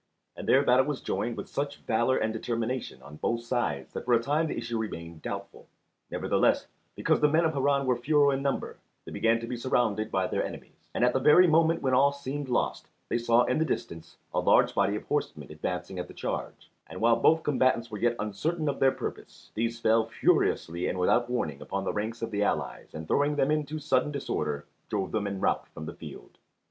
And there battle was joined with such valour and determination on both sides that for a time the issue remained doubtful. Nevertheless, because the men of Harran were fewer in number they began to be surrounded by their enemies; but at the very moment when all seemed lost they saw in the distance a large body of horsemen advancing at the charge; and while both combatants were yet uncertain of their purpose, these fell furiously and without warning upon the ranks of the allies, and throwing them into sudden disorder drove them in rout from the field.